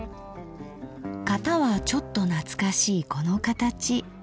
型はちょっと懐かしいこの形。